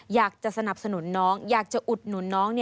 อยากจะสนับสนุนน้องอยากจะอุดหนุนน้อง